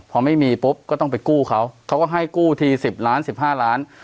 พอไม่มีปุ๊บก็ต้องไปกู้เขาเขาก็ให้กู้ที๑๐ล้าน๑๕ล้าน